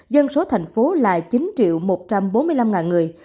dân số thành phố là chín một trăm bốn mươi năm người